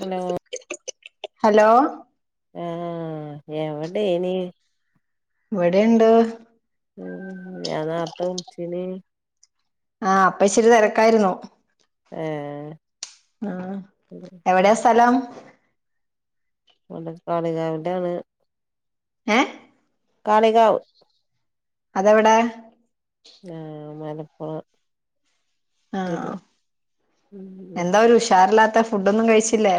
Hello hello ആഹ് എവിടേ ആയിരുന്നു ഇവിടെയുണ്ട് ഉ ഞാനേർത്തെ വിളിച്ചീനി ആഹ് അപ്പൊ ഇച്ചിരി തെരക്കായിരുന്നു ഏ ആ എവിടെയാ സ്ഥലം അവിടെ കാളികാവിലാണ് ഏ കളികാവ് അതെവിടെ ആഹ് മഞ്ചേരി ആഹ് ഉം എന്താ ഒരു ഉഷാറില്ലാത്ത ഫുഡൊന്നും കഴിച്ചില്ലേ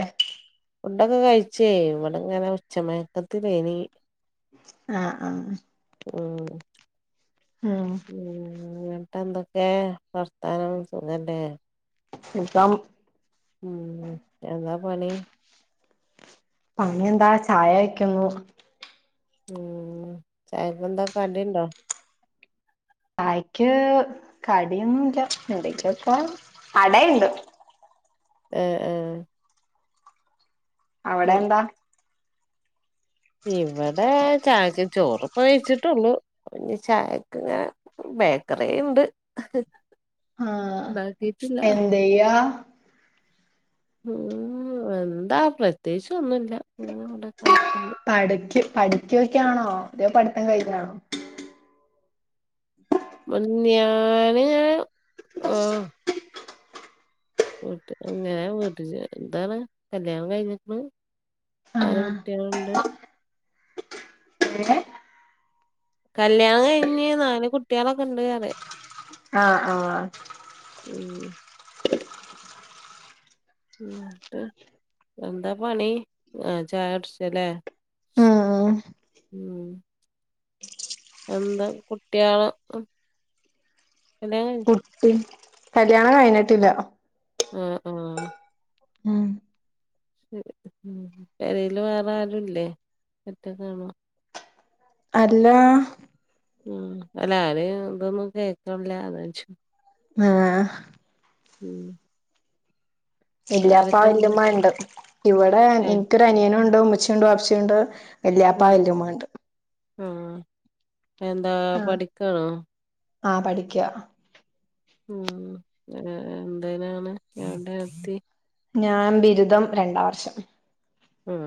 ഫുഡൊക്കെ കഴിച്ചേ ഇവിടെ ഇങ്ങനെ ഉച്ചമയക്കത്തിലേനി ആഹ് ഉം ആഹ് ഉം എന്നിട്ട് എന്തൊക്കെ വർത്താനം സുഖല്ലേ [unintelligible] ഉം എന്താ പണി പണിയെന്താ ചായ ഉണ്ടാക്കുന്നു ഉം ചായക്ക് എന്താ കടി ഉണ്ടോ ചായ്ക്ക് കടിയൊന്നുല്ല എന്തക്കെപ്പൊ അടയ്ണ്ട് എ ഏ അവിടെ എന്താ ഇവിടെ ചാച് ചോറ്പ്പ കഴിച്ചിട്ടുള്ളു പി ചായക്ക് ഇങ്ങെ ബേക്കറി ഉണ്ട് ആഹ് ഉണ്ടാക്കിട്ടില്ല എന്തെയ്യാ ഉം എന്താ പ്രത്യേകിച്ച് ഒന്നുല്ല ഞ അവിടെ കിടക്ക്ണ്ട് ഒക്ക ഒക്കൊണോ അതൊ പഠിത്തം കഴിഞ്ഞാണോ ഞാന് ആഹ് വീട്ട് അങ്ങനെ വീട്ട് എന്താണ് കല്യാണം കഴിഞ്ഞിക്ണ് നാല് ആഹ് കുട്ടികളുണ്ട് ഏ കല്യാണം കഴിഞ്ഞ് നാല് കുട്ടികളൊക്കെ ഇണ്ട് പറിയ ആഹ് ആഹ് ഉം ന്നട്ട് എന്താ പണി ആ ചായുട്ച്ചല്ലേ ഉം ഉം എന്താ കുട്ടിയണോ കുട്ടി കല്യാണം കഴിഞ്ഞിട്ടില്ല ആ ആ ഉം പെരേയില് വേറെ ആരുല്ലേ ഒറ്റ കാണോ അല്ല ഉ അല്ലആരേംഇതൊന്നും കേക്കല്ല അതാ ചും- ആ ഉം ആരൊക്കെണ്ട് വല്ലാപ്പാവല്ല്യമ്മ ഇണ്ട് ഇവിടെ ഏ എനിക്കൊരു അനിയനുണ്ട് ഉമ്മച്ചി വാപ്പച്ചി ണ്ട് വല്ലാപ്പ വല്ലുമ്മ ഉണ്ട് ആ എന്താ പഠിക്കണോ ആ പഠിക്കുക ഉം എന്തേതിനാണ് ഞടെ എത്തി ഞാൻ ബിരുദം രണ്ടാം വർഷം ഉം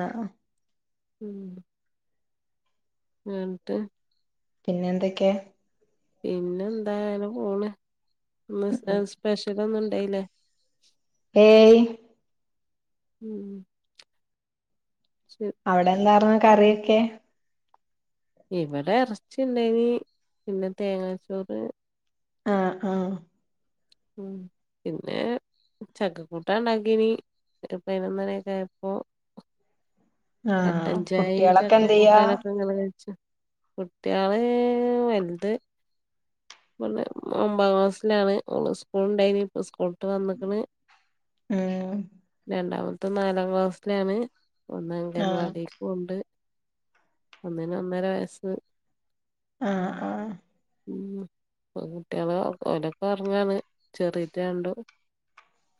ആ ഹ ഉം ആട്ട് പിന്നെ എന്തൊക്കെ പിന്നെ എന്താ അങ്ങനെ പോണു ഇന്ന് [unintelligible] സ്പെഷല് ഒന്നും ഇണ്ടായില്ലേ ഏയ് ഉം ശരി അവിടെ എന്താർന്ന് കറിയൊക്കെ ഇവിടെ ഇറചിണ്ടായിനി പിന്നെ തേങ്ങാച്ചോറ് ആ ആ ഉ പിന്നെ ചക്കക്കൂട്ടാൻ ഉണ്ടാക്കിനി ഒരു പതിനൊന്നരക്കെയായപ്പോ ആഹ് കട്ടൻചായയും കുട്ടികളൊക്കെ ചക്ക എന്തെയ്യാ കൂട്ടാരൊക്കെനമ്മള് കഴിച്ച കുട്ടികള് വലുത് [unintelligible] ഒമ്പാതാം ക്ലാസ്സിലാണ് ഓള് സ്കൂൾണ്ടായി ഇപ്പ സ്കൂൾ ഇപ്പൊ വന്നേക്ക്ണ് ഉം രണ്ടാമത്തെ നാലാം ക്ലാസിലാണ് വന്ന് ആഹ് അങ്കൻവാടിക്ക് പോണ്ട് ഒന്നിന് ഒന്നര വയസ് ആ ആ ഉ കുട്ടികളെ ഓലൊക്കെ ഉറങ്ങാണ് ചെറിയത് രണ്ടും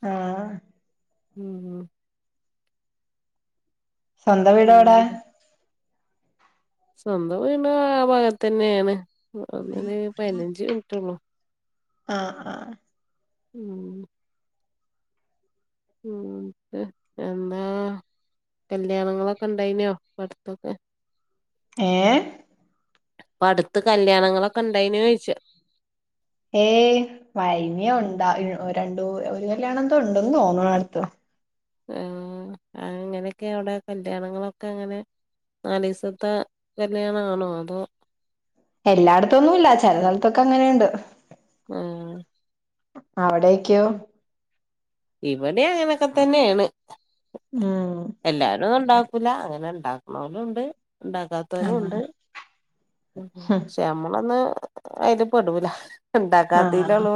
ആഹ ഉം ഉ സ്വന്തം വീടോവിടാ? പിന്നെന്താ സ്വന്തം വിട് ആ ഭാഗത്ത് തന്നെയാണ് ഒന്നന് പതിനഞ്ച് മിനിറ്റള്ളൂ. [inaudible] ആഹ ആഹ ഉം ഉ എന്താ കല്യാണങ്ങളൊക്കെ ഇണ്ടായിനോ പടുത്തൊക്കെ? ഏ അപ്പൊ അടുത്ത് കല്യാണങ്ങളൊക്കെ ഇണ്ടായിന് ചോദിച്ച? ഏ വൈനിയ ഉണ്ടാ രണ്ടു ഒരു കല്യാണം എന്തോ ഉണ്ടന്ന് തോന്നണടുത്ത് ആ അങ്ങനെയൊക്കെ അവിടെ കല്യാണങ്ങളൊക്കെ അങ്ങനെ? നല് ദസത്തെ കല്യാണ ആണോ? അതോ എല്ലാടതൊന്നും.. ല്ല. ചലസലത്തൊക്കെ അങ്ങനെണ്ട് ആഹ് അവടേക്യോ ഇവടി. അങ്ങനൊക്കെ. തന്നെണ് ഉം എല്ലാരും ഉണ്ടാ ക് ല. അങ്ങനെ ഇണ്ടാക്ണോലുണ്ട്. ആ ണ്ടാക്കാത്തോലു. ഉണ്ട് ഹ് ഷേ. അമ്മളൊന്ന്. അയില്. പെടൂല. ഹ്. ഹാ. ആ ണ്ടാക്കാത്തിലൊളു.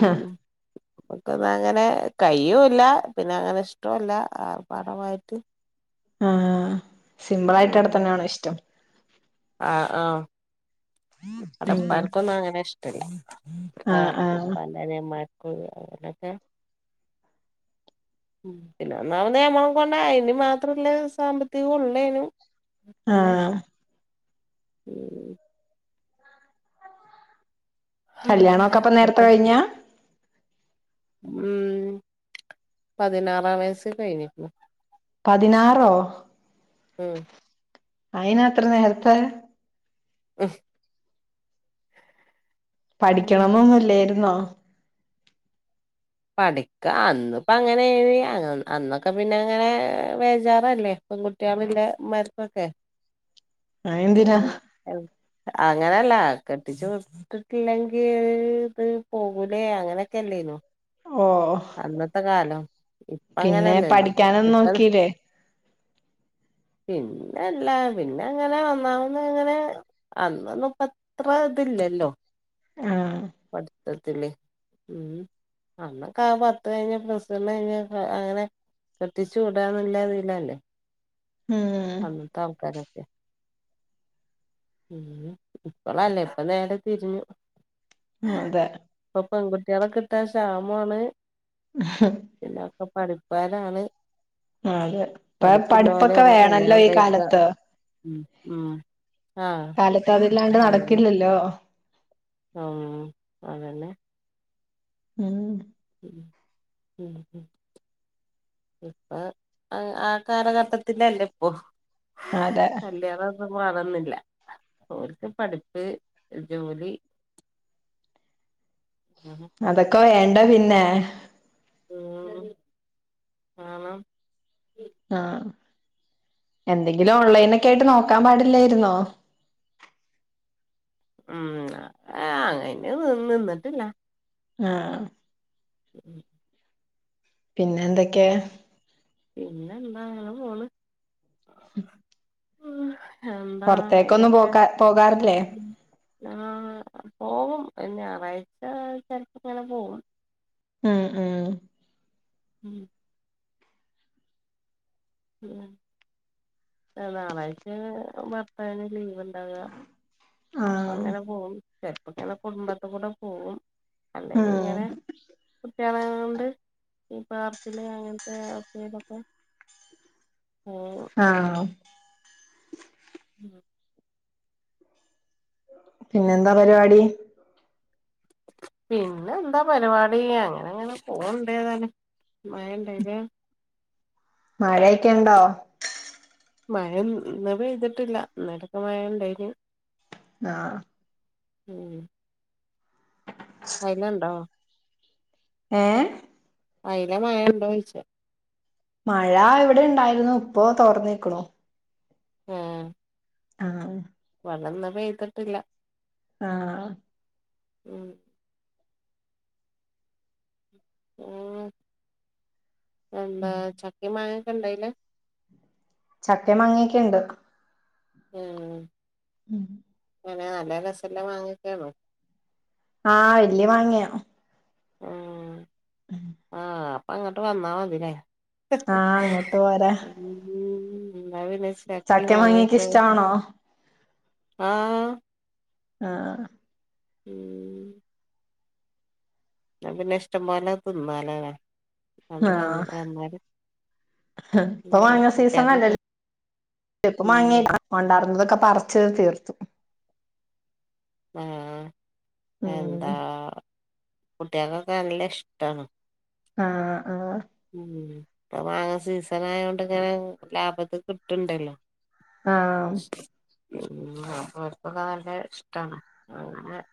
ഹ് അങ്ങനെ കയ്യുല്ല. പിന്നെ അങ്ങനെ ഇഷ്ട്ടൊല്ല. ആർപാടമായിട്ട് ആഹ, ആ, സിമ്പിൾ ആയിട്ടട് തന്നെയാണോ. ഇഷ്ടം ആഹ, ആഹ ഉം അടപ്പർക്കൊന്നും അങ്ങനെ ഇഷ്ടല്ല ആ ആ [unintelligible] [unintelligible] മ്. പിന്നെ. ഒന്നാമതേ നിയമം [unintelligible] കൊണ്ട അയിന് മാത്രല്ലേ സാമ്പത്തികള്ളേനും ആഹ ഉം അങ്ങനെ കല്യാണക്കെ അപ്പ നേര ഇപ്പത്തെ ത്തോഴിഞ്ഞാ ഉം പതിനാറാം വയസിൽ കഴിഞ്ഞിക്ക് ണ് പതിനാറോ. ഉം അയിനാത്ര. നേരത്തെ ഹ് ഉം പഠിക്കണംന്നുന്ന് ല്ലേരുന്നോ പഠിക്ക ആ അന്ന്പ്പ അങ്ങനെ ഏ. ഴ്‌ അന്നൊക്കെ പിന്നെ അങ്ങനെ വേചാറല്ലേ... പെൺകുട്ടിളില്ലേ. മ്മാര് ക്കൊക്കെ അതെന്തിനാ [unintelligible] അങ്ങനെയല്ല കെട്ടിച്ചു വിട്ടിട്ടില്ലെങ്കി പോകൂലേ. അങ്ങനൊക്കെല്ലേന്നൊ ഓ അന്നത്തെ. കാലം. ഇപ്പ. പിന്നെ അങ്ങനല്ലല്ലോ പഠിക്കാനൊന്നും ഇപ്പ നോക്കില്ലേ പിന്നെല്ല. പിന്നെ. അങ്ങനെ. ഒന്നാവുന്ന അങ്ങനെ അന്നൊന്നുപ്പത്രേ ല്ലല്ലോ. ആ പഠിത്തത്തില്. മ്മ്. അന്ന കാ. പത്ത്. കയിഞ്ഞ്. പ്ലസ്. വണ്ണ്. യി ഞ്ഞ് അങ്ങനെ കെട്ടിച്ചു. വിടന്നുള്ള ഉം അങ്ങൻത്തെ. ആൾക്കാരൊക്കെ ഉം ഇപ്പളല്ലേ ഇപ്പ നേരെ തിരിഞ്ഞു ആ, അതെ പെൺകുട്ടിളൊകിട്ടാൻ. ക്ഷാമോണ് ഹ്. ഇപ്പൊ പഠിപ്പരാണ് അതെ. ഇപ്പൊ. പഠിപ്പൊക്കെ വേണല്ലോ കല്യാണം ഈ, കഴിക്ക കാലത്ത് ഉം ഉം ആഹ് കാലത്ത്. അതില്ലാണ്ട്. നടക്കില്ലല്ലോ ആ, അതന്നെ മ്മ്. ഹ് ഉം ഹ [unintelligible] ഇപ്പൊ. ആ. ആകാലഘട്ടത്തിന്റെയെ ല്ലേ. പ്പൊ അതെ വറന്നില്ല. ഓര്ക്. പഠിപ്പ്. ജോലി അങ്ങനൊക്കെ അതൊക്കെ വേണ്ട പിന്നെ ഉം. വേണം ആ, എന്തെങ്കിലും. ഓൺലൈനൊക്കെ ആയിട്ട് നോക്കാൻ പാടില്ലായിരുന്നോ മ്മ്. അ അ ങ്ങനെ ന്ന് ന്നട്ട [unintelligible] ആ..... ഉം പിന്നെ എന്തൊക്കെ പിന്നെ എന്താണ് അങ്ങനെ പോണു. ഉം ഉം എന്താ പുറത്തേക്കൊന്നും പോകാ പോകാറില്ലേ. ആ പോവും ഞായറാഴ്ച ചിലപ്പ ഇങ്ങനെ പോകവും. ഉം ഉം ഉം ഉ ഞായറാഴ്ച ഭർത്താവിന് ലീവ്. അപ്പൊ ആഹ് അങ്ങനെ പോകും ചെറപ്പങ്ങനെ കുടുംബത്തി കൂടെ പോകവും. അല്ലെങ്കും ഉം ഇങ്ങനെ കുട്ടികളെ കൊണ്ട് ഈ പാർക്കില് അങ്ങനത്തെ ക്കയിലൊക്കെ.. ആ ഉം ഉം പിന്നെന്താ ഉം. പരിപാടി പിന്നെ എന്താ പരിപാടി അങ്ങനെ അങ്ങനെ പോണ്ടേതന്നെ മയണ്ടായില്ല മഴയൊക്കെ ഉണ്ടോ മഴന്നപെയ്തിട്ടില്ല ന്നലെക്കെ മഴ ഉണ്ടായിരുന്നു. ആ ഉം കൈല ഉണ്ടോ ഏ അയില മഴ ഇണ്ടോ ചോദിച്ച. മഴ എവിടെ ഉണ്ടായിരുന്നു ഇപ്പൊ തോർന്നക്ണു. ആ ആ ഇന്ന് പെയ്തിട്ടില്ല. ആ ഉം ഉ എന്താ ഉം ചക്കി മഴ. ഇണ്ടായില്ലേ. ചക്ക മാങ്ങിയൊക്കെുണ്ട്. ഉം ഉം അങ്ങനെ നല്ല രസംല്ല മാങ്ങ കെയാണോ.. ആ വല്യ മാങ്ങയാ. ഉ ആ അപ്പ അങ്ങോട്ട് വന്നാ മതിലേ.. ആഹ് അങ്ങോട്ട് പോരാ. എന്താ പിന്നെ ചക്കി ചക്കേം മാങ്ങി മാങ്ങയൊക്കെ ഒകെ ഇഷ്ടാണോ ആഹ് ആഹ് ഉം എന്നാൽ പിന്നെ ഇഷ്ടം പോലെ തിന്നാലേ അങ്ങോട്ടവന്നാല്. ഇപ്പ മാങ്ങ സീസണല്ല ചപ്പ ഉം മാങ്ങ കൊണ്ടാടുന്നതൊക്കെ പറച്ച്ത് തീർത്തു. ആഹ് ഉം എന്താ കുട്ടികക്കൊക്ക നല്ല ഇഷ്ടാണ്. ആഹ് ആഹ് ഉം അപ്പ മങ്ങ സീസൺ ആയോണ്ട് ഇങ്ങനെ ലാഭത്തി കിട്ടുണ്ടല്ലോ. ആഹ് ഓൽപ്പൊക്കെ നല്ല ഇഷ്ടാണ് അെ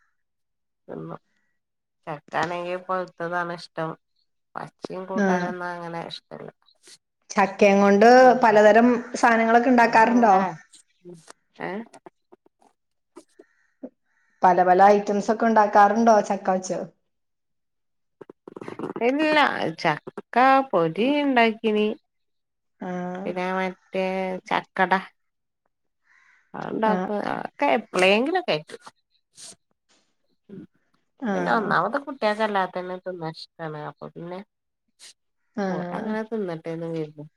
ചക്കാണെങ്കിൽ പഴുത്തതാണ് ഇഷ്ടം. ച്ചിയും ആഹ് കൂട്ടാനൊന്നു അങ്ങനെ ഇഷ്ടല്ല ക്കേം കൊണ്ട് ഉം പലതരം സാധനങ്ങളൊക്കെ ഉണ്ടാക്കാറുണ്ടോ അതങ്ങനെ ഏ പല പല ഐറ്റംസൊക്കെണ്ടാക്കാറ്ണ്ടോ ചക്കവച്ച് എല്ലാ, ചക്ക പൊരി ഇണ്ടാക്കീനി ആഹ് പിന്നെ മറ്റേ.. ചക്കട അ ആഹ് ണ്ടാക്ക കേപ്പളേങ്കിലൊക്കയ്ക്കൂ പിന്ന ആഹ് ഒന്നാമതെ കുട്ട്യേക്ക് അല്ലാത്തന്നെ തിന്നാഷ്ടാണ് അപ്പൊ പിന്നെ ആഹ് ഓലങ്ങനെ തിന്നട്ടെന്ന് കരുതും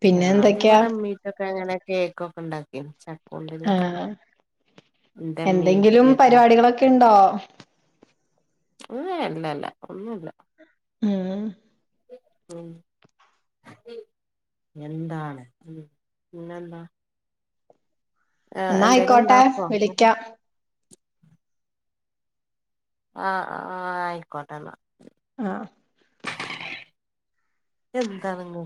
പിന്നെന്തൊക്കെയാ? [inaudible] ങ്ങനെ കേക്കൊക്കെ ഉണ്ടാക്കി ച ആ എന്റെമ്മീ എന്തെങ്കിലും ഉപ്പിയൊക്കെ പര് പാടികളൊക്കെണ്ടോ? അല്ലല്ല ഒന്നുല്ല ഉം. ഉം എന്താണ്, പിന്നെന്താ? ഏ, എന്തേലും ന്നായിക്കോട്ടെ ഉണ്ടാക്കോ വിളിക്കാം ആ ആ ആയിക്കോട്ടെന്ന ആ. എന്താണ്ങ്ങ